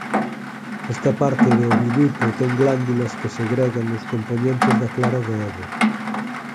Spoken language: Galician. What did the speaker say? Esta parte do oviduto ten glándulas que segregan os compoñentes da clara do ovo.